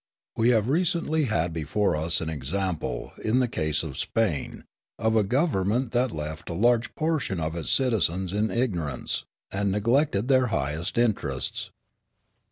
We have recently had before us an example, in the case of Spain, of a government that left a large portion of its citizens in ignorance, and neglected their highest interests.